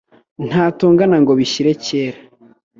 Ntatongana ngo bishyire kera